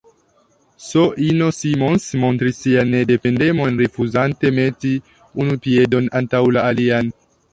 S-ino Simons montris sian nedependemon, rifuzante meti unu piedon antaŭ la alian.